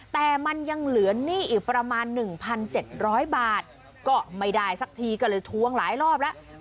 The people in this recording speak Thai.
แต่มันยังเหลือหนี้อีกประมาณ๑๗๐๐บาทก็ไม่ได้สักทีก็เลยทวงหลายรอบแล้ว